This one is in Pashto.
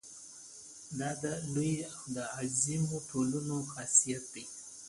دا د لویو او عظیمو ټولنو خاصیت دی.